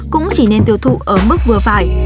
cũng chỉ nên tiêu thụ ở mức vừa phải